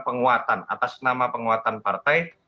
penguatan atas nama penguatan partai